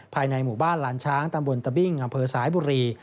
ภายในหมู่บ้านหลานช้างตำบลตะบิ้งอำเภอสายบุรี